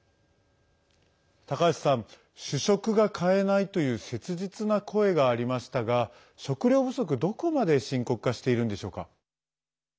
高橋さん、主食が買えないという切実な声がありましたが食糧不足、どこまで深刻化しているんでしょうか。